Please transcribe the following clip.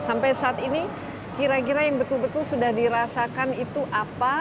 sampai saat ini kira kira yang betul betul sudah dirasakan itu apa